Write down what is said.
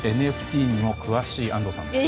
ＮＦＴにも詳しい安藤さんです。